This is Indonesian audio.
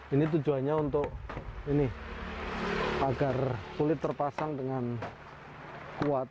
ini tujuannya untuk ini agar kulit terpasang dengan kuat